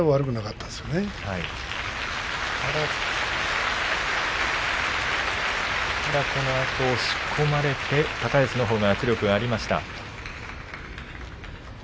ただこのあと押し込まれて高安のほうが圧力がありました。